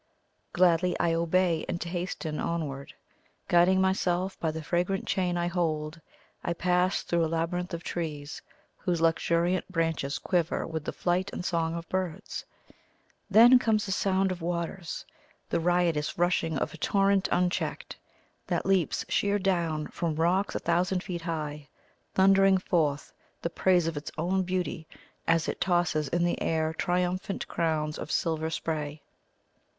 Gladly I obey, and hasten onward. Guiding myself by the fragrant chain I hold, I pass through a labyrinth of trees, whose luxuriant branches quiver with the flight and song of birds. Then comes a sound of waters; the riotous rushing of a torrent unchecked, that leaps sheer down from rocks a thousand feet high, thundering forth the praise of its own beauty as it tosses in the air triumphant crowns of silver spray.